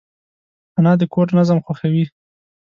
انا د کور نظم خوښوي